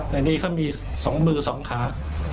ในนี้เขามีสองมือสองขา